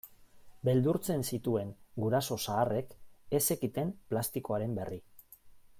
Beldurtzen zituen guraso zaharrek ez zekiten plastikoaren berri.